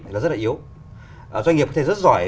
là rất là yếu doanh nghiệp có thể rất giỏi